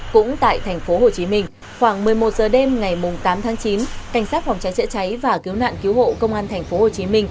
cũng tại tp hcm khoảng một mươi một h đêm ngày tám chín cảnh sát phòng trái chữa cháy và cứu nạn cứu hộ công an tp hcm